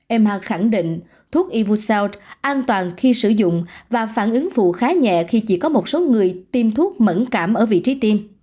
emma khẳng định thuốc evucelt an toàn khi sử dụng và phản ứng phụ khá nhẹ khi chỉ có một số người tiêm thuốc mẩn cảm ở vị trí tim